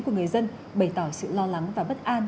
của người dân bày tỏ sự lo lắng và bất an